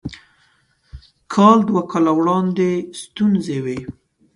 کال دوه کاله وړاندې ستونزې وې.